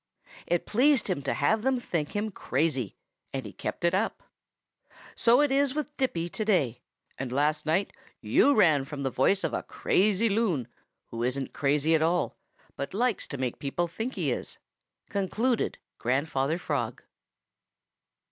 It pleased him to have them think him crazy, and he kept it up. "So it is with Dippy today, and last night you ran from the voice of a crazy Loon who isn't crazy at all, but likes to make people think he is," concluded Grandfather Frog.